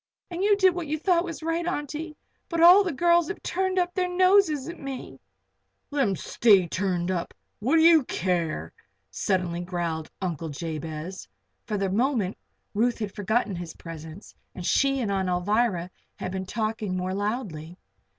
And you did what you thought was right, Auntie. But all the girls have turned up their noses at me " "Let 'em stay turned up what do you care?" suddenly growled Uncle Jabez. For the moment Ruth had forgotten his presence and she and Aunt Alvirah had been talking more loudly.